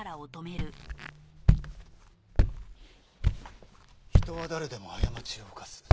人は誰でも過ちを犯す。